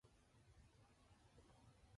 Texas Lt.